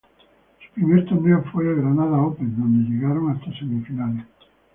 Su primer torneo fue el Granada Open, donde llegaron hasta semifinales.